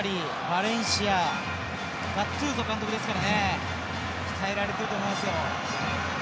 バレンシアの監督ですからね鍛えられていると思いますよ。